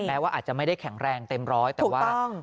แม้ว่าอาจจะไม่ได้แข็งแรงเต็มร้อยแต่ว่า